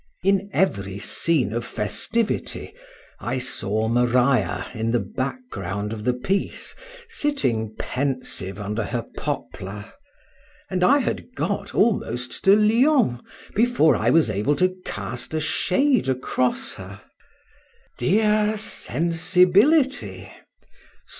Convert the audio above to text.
In every scene of festivity, I saw Maria in the background of the piece, sitting pensive under her poplar; and I had got almost to Lyons before I was able to cast a shade across her. —Dear Sensibility!